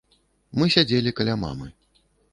Мы сядзелі каля мамы.